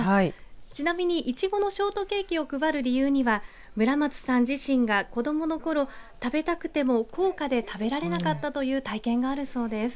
ちなみにいちごのショートケーキを配る理由には村松さん自身が子どもの頃食べたくても高価で食べられなかったという体験があるそうです。